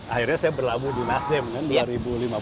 akhirnya saya berlabuh di nasdem kan dua ribu lima belas gitu